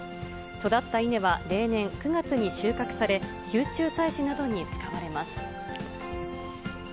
育った稲は例年、９月に収穫され、宮中祭祀などに使われます。